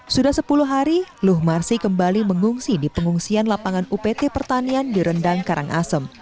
sudah sepuluh hari luh marsi kembali mengungsi di pengungsian lapangan upt pertanian di rendang karangasem